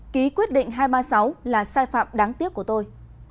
ký quyết định hai trăm ba mươi sáu là sai phạm đáng tiếc của tôi